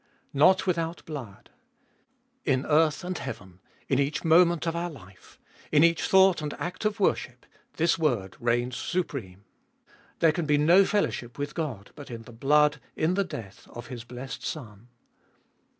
Not without blood ! In earth and heaven, in each moment of our life, in each thought and act of worship, this word reigns supreme. There can be no fellowship with God, but in the blood, in the death, of His blessed Son.